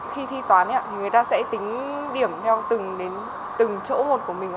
khi thi toán thì người ta sẽ tính điểm theo từng chỗ một của mình